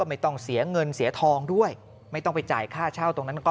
ไม่ต้องเสียเงินเสียทองด้วยไม่ต้องไปจ่ายค่าเช่าตรงนั้นก็